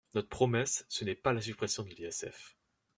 Notre promesse, ce n’est pas la suppression de l’ISF.